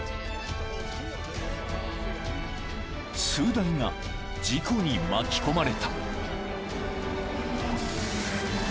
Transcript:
［数台が事故に巻き込まれた］